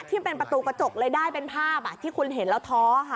ที่เป็นประตูกระจกเลยได้เป็นภาพที่คุณเห็นแล้วท้อค่ะ